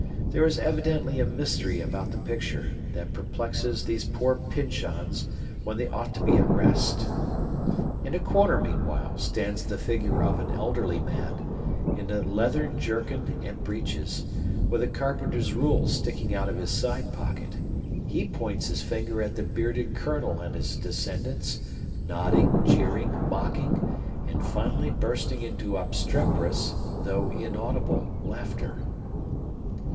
There is evidently a mystery about the picture, that perplexes these poor Pyncheons when they ought to be at rest. In a corner, meanwhile, stands the figure of an elderly man, in a leathern jerkin and breeches, with a carpenter's rule sticking out of his side pocket; he points his finger at the bearded Colonel and his descendants, nodding, jeering, mocking, and finally bursting into obstreperous, though inaudible laughter.